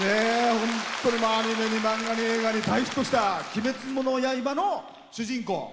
本当にアニメに漫画に映画に大ヒットした「鬼滅の刃」の主人公